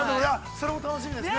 それも楽しみですね。